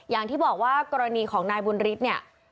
อย่างที่บอกว่ากรณีของนายบุญฤทธิ์เนี่ย